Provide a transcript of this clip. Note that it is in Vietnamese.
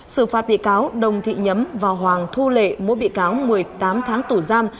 xử phạt bị cáo đồng thị nhấm và hoàng thu lệ mỗi bị cáo một mươi tám tháng tù giam